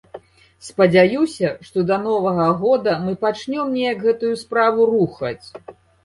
Спадзяюся, што да новага года мы пачнём неяк гэтую справу рухаць.